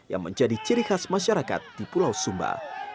yang menjadi ciri khas masyarakat di pulau sumba